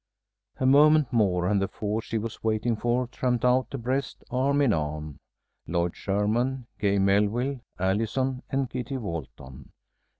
A moment more, and the four she was waiting for tramped out abreast, arm in arm: Lloyd Sherman, Gay Melville, Allison and Kitty Walton.